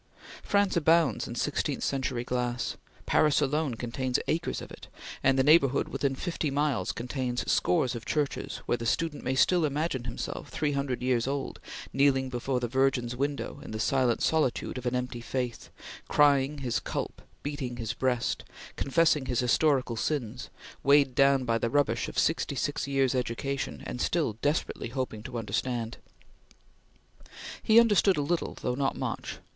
France abounds in sixteenth century glass. Paris alone contains acres of it, and the neighborhood within fifty miles contains scores of churches where the student may still imagine himself three hundred years old, kneeling before the Virgin's window in the silent solitude of an empty faith, crying his culp, beating his breast, confessing his historical sins, weighed down by the rubbish of sixty six years' education, and still desperately hoping to understand. He understood a little, though not much.